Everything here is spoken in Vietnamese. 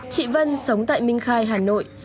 chị vân sống tại minh khai hà nội